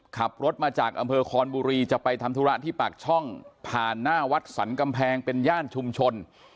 ขับรถมาจากอำเภอคอนบุรีจะไปทำธุระที่ปากช่องผ่านหน้าวัดสรรกำแพงเป็นย่านชุมชน